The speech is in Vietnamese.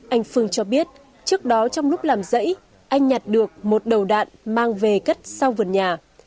anh phương cho biết trước đó trong lúc làm dãy anh nhặt được một đầu đạn mang về cất sau vườn nhà